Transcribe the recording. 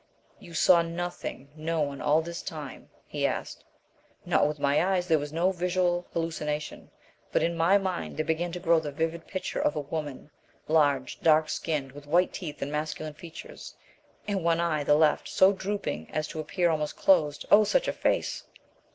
"You saw nothing no one all this time?" he asked. "Not with my eyes. There was no visual hallucination. But in my mind there began to grow the vivid picture of a woman large, dark skinned, with white teeth and masculine features, and one eye the left so drooping as to appear almost closed. Oh, such a face